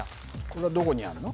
これはどこにあるの？